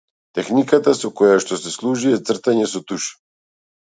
Техниката со која што се служи е цртање со туш.